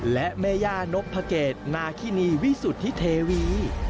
และแม่ย่านพเกตนาคินีวิสุทธิเทวี